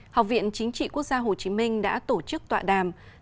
học viện chính trị quốc gia hồ chí minh đã tổ chức tọa đàm